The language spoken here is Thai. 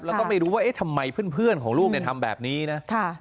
แล้วก็ไม่รู้ว่าทำไมเพื่อนของลูกทำแบบนี้นะ